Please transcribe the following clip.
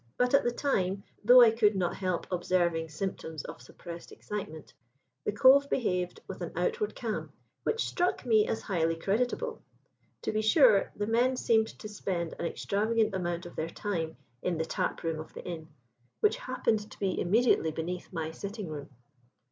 "But at the time, though I could not help observing symptoms of suppressed excitement, the Cove behaved with an outward calm which struck me as highly creditable. To be sure, the men seemed to spend an extravagant amount of their time in the tap room of the inn, which happened to be immediately beneath my sitting room.